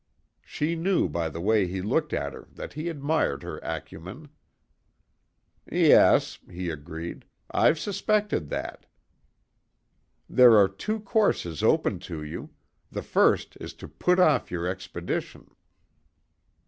She knew by the way he looked at her that he admired her acumen. "Yes," he agreed; "I've suspected that." "There are two courses open to you; the first is to put off your expedition."